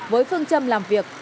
với phương châm làm việc